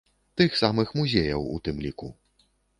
Тых самых музеяў у тым ліку.